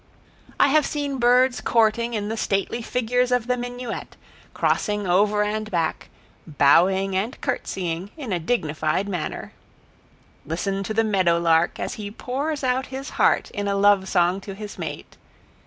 I have seen birds courting in the stately figures of the minuet, crossing over and back, bowing and curtsying, in a dignified manner. Listen to the meadow lark as he pours out his heart in a love song to his mate.